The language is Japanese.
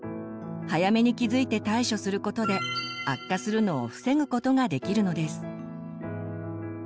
早めに気付いて対処することで悪化するのを防ぐことができるのです。